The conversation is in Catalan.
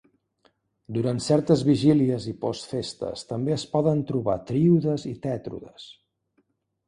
Durant certes vigílies i post festes també es poden trobar tríodes i tètrodes.